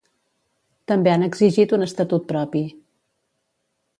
També han exigit un estatut propi.